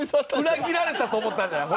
裏切られたと思ったんじゃない？